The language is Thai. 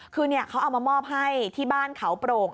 คือเขาเอามามอบให้ที่บ้านเขาโปร่ง